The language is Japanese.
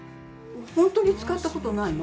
本当に使ったことないの？